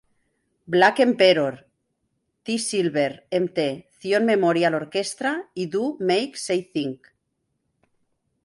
Black Emperor, Thee Silver Mt. Zion Memorial Orchestra y Do Make Say Think.